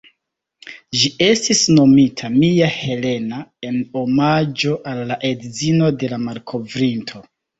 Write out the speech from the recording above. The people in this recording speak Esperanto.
Ĝi estis nomita ""Mia Helena"" en omaĝo al la edzino de la malkovrinto.